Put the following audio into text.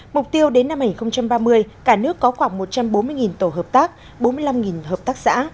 mục tiêu đến năm hai nghìn ba mươi cả nước có khoảng một trăm bốn mươi tổ hợp tác bốn mươi năm hợp tác xã